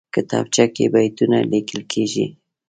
کتابچه کې بیتونه لیکل کېږي